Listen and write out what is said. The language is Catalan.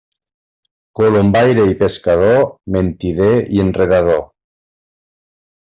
Colombaire i pescador, mentider i enredador.